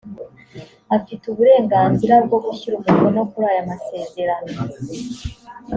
afite uburenganzira bwo gushyira umukono kuri aya masezerano